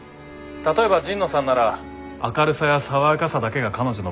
例えば神野さんなら明るさや爽やかさだけが彼女の武器じゃない。